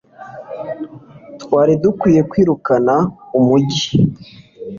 Twari dukwiye kwirukana umujyi